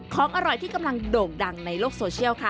ของอร่อยที่กำลังโด่งดังในโลกโซเชียลค่ะ